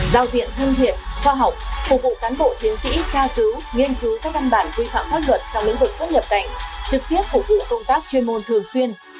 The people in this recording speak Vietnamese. giao diện thân thiện khoa học phục vụ cán bộ chiến sĩ tra cứu nghiên cứu các văn bản quy phạm pháp luật trong lĩnh vực xuất nhập cảnh trực tiếp phục vụ công tác chuyên môn thường xuyên